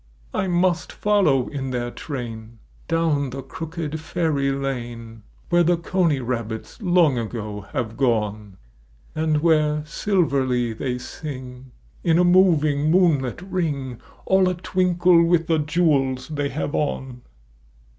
1 must follow in their train Down the crooked fairy lane Where the coney rabbits long ago have gone, And where silverly they sing In a moving moonlit ring All a twinkle with the jewels they have on.